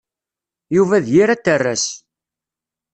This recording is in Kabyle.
Yuba d yir aterras.